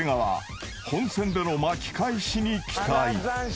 ［本戦での巻き返しに期待］